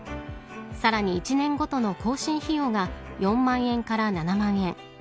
さらに１年ごとの更新費用が４万円から７万円。